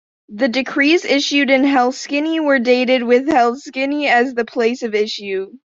The decrees issued in Helsinki were dated with Helsinki as the place of issue.